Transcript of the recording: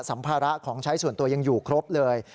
ัมภาระของใช้ส่วนตัวยังอยู่ครบเลย